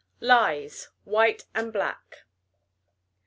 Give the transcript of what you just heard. LIES: WHITE AND BLACK.